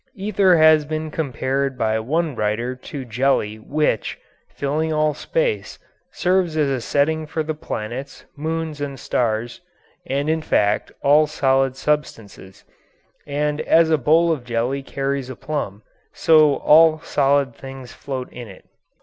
Ether has been compared by one writer to jelly which, filling all space, serves as a setting for the planets, moons, and stars, and, in fact, all solid substances; and as a bowl of jelly carries a plum, so all solid things float in it.